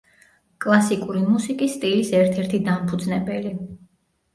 კლასიკური მუსიკის სტილის ერთ-ერთი დამფუძნებელი.